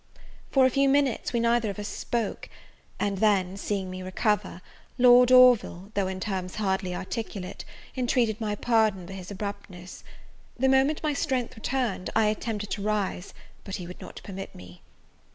For a few minutes, we neither of us spoke; and then, seeing me recover, Lord Orville, though in terms hardly articulate, intreated my pardon for his abruptness. The moment my strength returned, I attempted to rise, but he would not permit me.